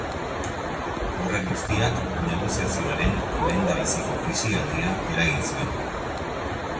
Horrek guztiak negoziazioaren lehendabiziko krisialdia eragin zuen.